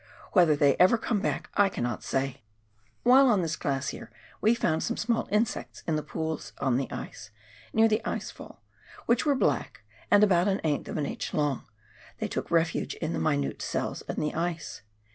Whetlier they ever come back I cannot say." While on this glacier we found some small insects in the pools on the ice — near the ice fall — which were black, and about an eighth of an inch long ; they took refuge in the minute cells in the ice.